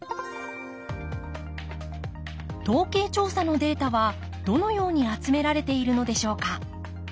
統計調査のデータはどのように集められているのでしょうか。